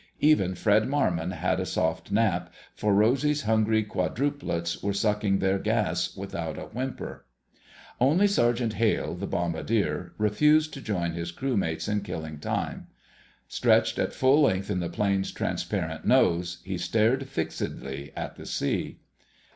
Even Fred Marmon had a soft snap, for Rosy's hungry "quadruplets" were sucking their gas without a whimper. Only Sergeant Hale, the bombardier, refused to join his crewmates in killing time. Stretched at full length in the plane's transparent nose, he stared fixedly at the sea.